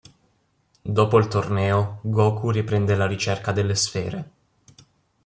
Dopo il torneo Goku riprende la ricerca delle sfere.